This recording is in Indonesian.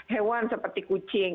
hewan seperti kucing